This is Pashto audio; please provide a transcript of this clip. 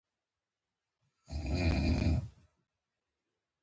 پامیر د افغانستان د انرژۍ سکتور یوه برخه ده.